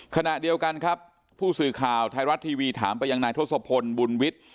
ขณะเดียวกันครับผู้สื่อข่าวไทยรัฐทีวีถามไปยังนายทศพลบุญวิทย์